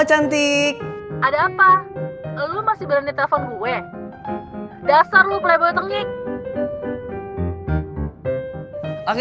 yang dia sang fad